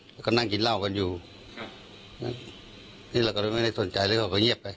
แล้วก็นั่งกินเหล้ากันอยู่ครับนี่เราก็เลยไม่ได้สนใจเลยเขาก็เงียบไป